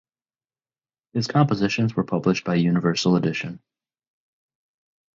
His compositions were published by Universal Edition.